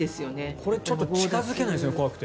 これ、ちょっと近付けないですよね、怖くて。